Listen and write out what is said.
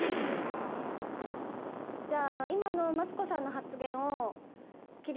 じゃ今のマツコさんの発言を。